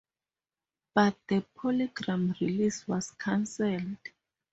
But the PolyGram release was canceled.